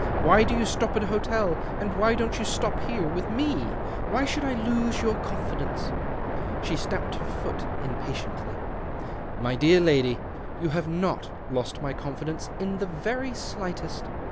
Why do you stop at a hotel, and why don't you stop here with me? Why should I lose your confidence ?" She stamped her foot impatiently. " My dear lady, you have not lost my confidence in the very slightest.